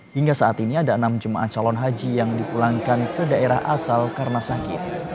hingga saat ini ada enam jemaah calon haji yang dipulangkan ke daerah asal karena sakit